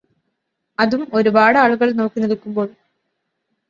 അതും ഒരുപാടാളുകൾ നോക്കി നിൽക്കുമ്പോൾ